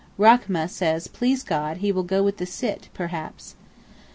Rachmeh says 'Please God, he will go with the Sitt, perhaps.